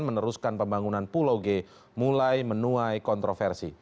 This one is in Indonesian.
meneruskan pembangunan pulau g mulai menuai kontroversi